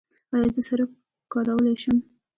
ایا زه سرکه کارولی شم؟